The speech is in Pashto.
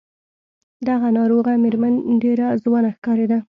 دغه ناروغه مېرمن ډېره ځوانه ښکارېده.